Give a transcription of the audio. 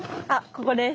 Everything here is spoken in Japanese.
ここです。